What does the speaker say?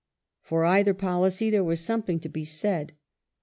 For either policy there was something to be said.